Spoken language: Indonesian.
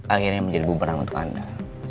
akhirnya menjadi bumerang untuk anda